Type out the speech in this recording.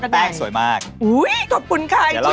มันเล่าเคระออกมาเลยมันบอกสุกกันตัวเรา